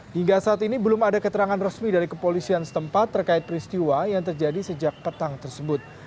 hingga saat ini belum ada keterangan resmi dari kepolisian setempat terkait peristiwa yang terjadi sejak petang tersebut